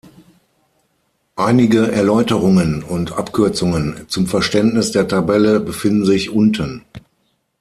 Einige Erläuterungen und Abkürzungen zum Verständnis der Tabelle befinden sich unten.